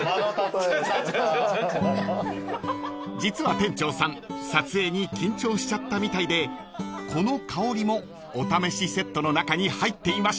［実は店長さん撮影に緊張しちゃったみたいでこの香りもお試しセットの中に入っていました］